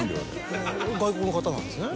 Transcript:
外国の方なんですね？